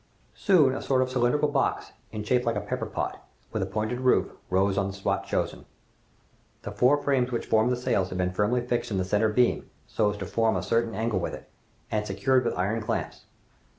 Soon a sort of cylindrical box, in shape like a pepper pot, with a pointed roof, rose on the spot chosen. The four frames which formed the sails had been firmly fixed in the center beam, so as to form a certain angle with it, and secured with iron clamps.